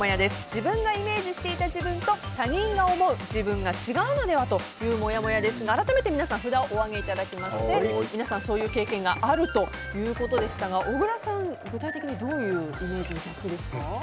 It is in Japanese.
自分がイメージしていた自分と他人が思う自分が違うのではというもやもやですが、改めて皆さんに札をお上げいただいてそういう経験があるということでしたが小倉さん、具体的にどういうイメージのギャップですか？